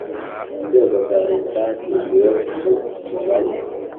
Inzego za leta hashingiwe ku umubare